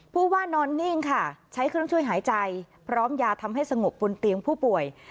ผู้ว่านอนนิ่งค่ะใช้เครื่องช่วยหายใจพร้อมยาทำให้สงบบนเตียงผู้ป่วย